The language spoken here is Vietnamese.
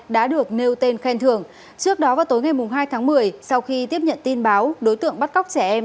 đã được nêu tên khen thưởng trước đó vào tối ngày hai tháng một mươi sau khi tiếp nhận tin báo đối tượng bắt cóc trẻ em